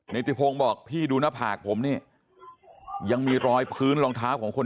นิติพงศ์บอกพี่ดูหน้าผากผมนี่ยังมีรอยพื้นรองเท้าของคน